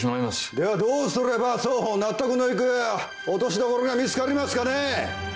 ではどうすれば双方納得のいく落としどころが見つかりますかね。